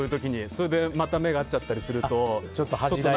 それでまた目が合っちゃったりすると。